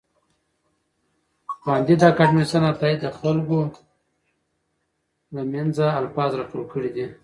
کانديد اکاډميسن عطايي د خلکو له منځه الفاظ راټول کړي دي.